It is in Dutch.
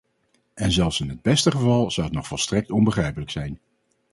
En zelfs in het beste geval zou het nog volstrekt onbegrijpelijk zijn.